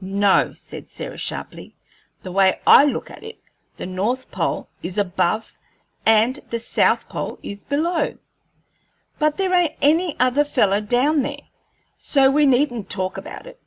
"No," said Sarah, sharply. "The way I look at it, the north pole is above and the south pole is below; but there ain't any other feller down there, so we needn't talk about it.